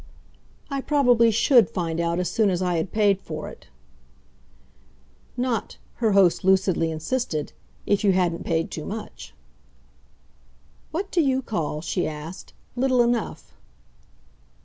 "I probably SHOULD find out as soon as I had paid for it." "Not," her host lucidly insisted, "if you hadn't paid too much." "What do you call," she asked, "little enough?"